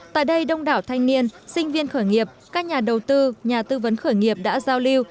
tại đây đông đảo thanh niên sinh viên khởi nghiệp các nhà đầu tư nhà tư vấn khởi nghiệp đã giao lưu